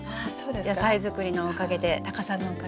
野菜作りのおかげでタカさんのおかげで。